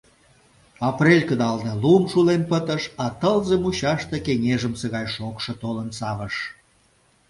Апрель кыдалне лум шулен пытыш, а тылзе мучаште кеҥежымсе гай шокшо толын савыш.